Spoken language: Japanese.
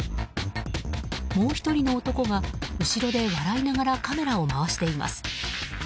もう１人の男が後ろで笑いながらカメラを回しています。